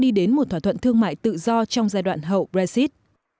đi đến một thỏa thuận thương mại tự do trong giai đoạn hậu brexit